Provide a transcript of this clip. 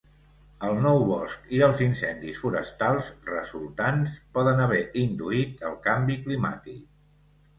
El nou bosc i els incendis forestals resultants poden haver induït el canvi climàtic.